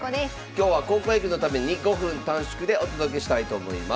今日は高校野球のために５分短縮でお届けしたいと思います。